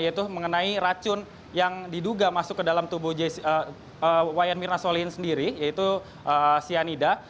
yaitu mengenai racun yang diduga masuk ke dalam tubuh wayan mirna solihin sendiri yaitu cyanida